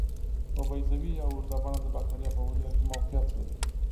په بیضوي یا اوږده بڼه د باکتریا په حجره کې موقعیت لري.